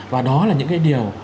và đó là những cái điều